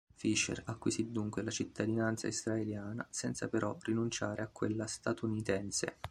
Fischer acquisì dunque la cittadinanza israeliana senza però rinunciare a quella statunitense.